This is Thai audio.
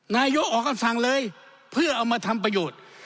นายกออกคำสั่งเลยเพื่อเอามาทำประโยชน์